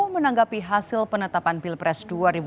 menanggapi hasil penetapan pilpres dua ribu dua puluh